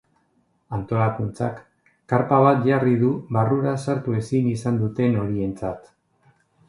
Antolakuntzak karpa bat jarri du barrura sartu ezin izan duten horientzat.